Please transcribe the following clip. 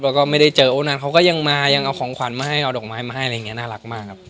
แล้วก็ไม่ได้เจอโอ้นานเขาก็ยังมายังเอาของขวัญมาให้เอาดอกไม้มาให้อะไรอย่างนี้น่ารักมากครับ